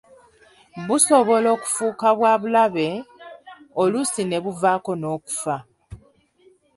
Busobola okufuuka bwa bulabe, oluusi ne buvaako n’okufa.